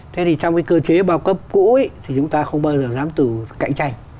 thế thì trong cái cơ chế bao cấp cũ thì chúng ta không bao giờ dám từ cạnh tranh